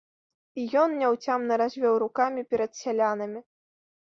І ён няўцямна развёў рукамі перад сялянамі.